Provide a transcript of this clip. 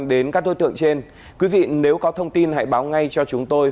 đến các đối tượng trên quý vị nếu có thông tin hãy báo ngay cho chúng tôi